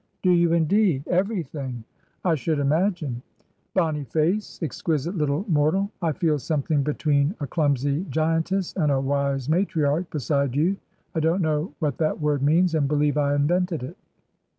"Do you, indeed? Everything^ I should imagine. Bonnie face ! Exquisite little mortal ! I feel something between a clumsy giantess and a wise matriarch beside you. I don't know what that word means and believe I invented it.